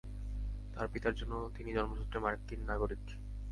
তার পিতার জন্য তিনি জন্মসূত্রে মার্কিন নাগরিক।